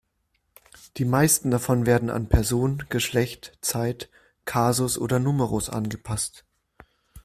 Die meisten davon werden an Person, Geschlecht, Zeit, Kasus oder Numerus angepasst.